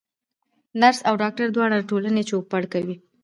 نرس او ډاکټر دواړه د ټولني چوپړ کوي.